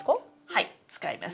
はい使います。